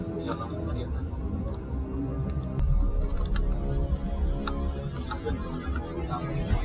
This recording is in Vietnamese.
trong lúc giữ lại lệnh bắt tạm giam